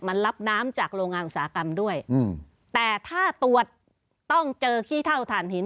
มันรับน้ำจากโรงงานอุตสาหกรรมด้วยอืมแต่ถ้าตรวจต้องเจอขี้เท่าฐานหิน